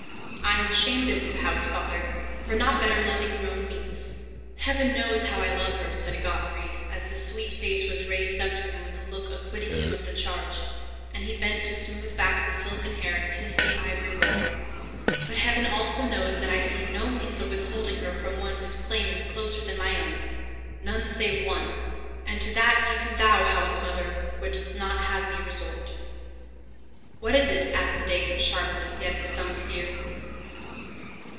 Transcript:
I am ashamed of you, housefather, for not better loving your own niece." "Heaven knows how I love her," said Gottfried, as the sweet face was raised up to him with a look acquitting him of the charge, and he bent to smooth back the silken hair, and kiss the ivory brow; "but Heaven also knows that I see no means of withholding her from one whose claim is closer than my own—none save one; and to that even thou, housemother, wouldst not have me resort." "What is it?" asked the dame, sharply, yet with some fear.